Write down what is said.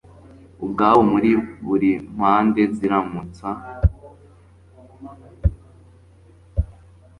ubwabo muri buri mpande ziramutsa